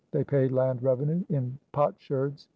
They pay land revenue in potsherds.